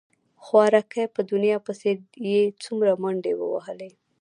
خواركى په دنيا پسې يې څومره منډې ووهلې.